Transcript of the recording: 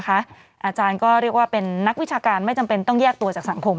อาจารย์ก็เรียกว่าเป็นนักวิชาการไม่จำเป็นต้องแยกตัวจากสังคม